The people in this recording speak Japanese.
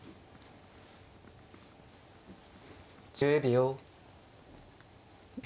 １０秒。